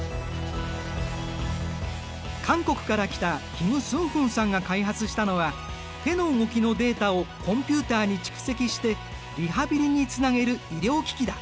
韓国から来たキム・スンフンさんが開発したのは手の動きのデータをコンピューターに蓄積してリハビリにつなげる医療機器だ。